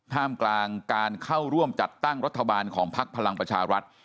ท่ามกลางการเข้าร่วมจัดตั้งรัฐบาลของพักพลังประชารัฐ